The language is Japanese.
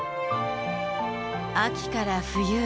秋から冬へ。